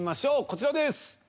こちらです。